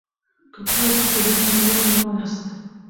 که تاسو پوهېږئ، نو ولې نه وایاست؟